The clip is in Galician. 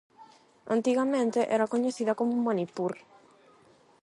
Antigamente era coñecida como Manipur.